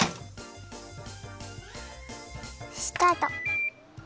スタート。